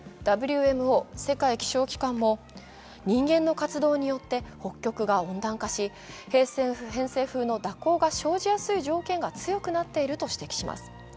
ＷＭＯ＝世界気象機関も人間の活動によって北極が温暖化し偏西風の蛇行が生じやすい条件が強くなっていると指摘します。